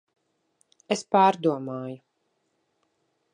Es pārdomāju.